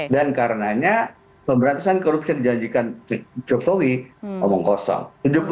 dan karenanya pemberantasan korupsi yang dijanjikan jokowi omong kosong